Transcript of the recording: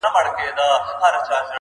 راسه چي زړه ښه درته خالي كـړمـه.